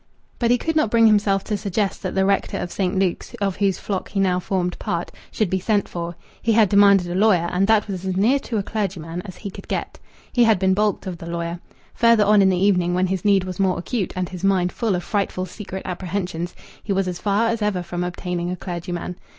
But he could not bring himself to suggest that the rector of St. Luke's, of whose flock he now formed part, should be sent for. He had demanded a lawyer, and that was as near to a clergyman as he could get. He had been balked of the lawyer. Further on in the evening, when his need was more acute and his mind full of frightful secret apprehensions, he was as far as ever from obtaining a clergyman.